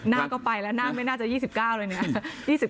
นั่งก็ไปแล้วนั่งไม่น่าจะ๒๙เลยเนี่ย